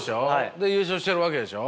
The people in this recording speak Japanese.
で優勝してるわけでしょ。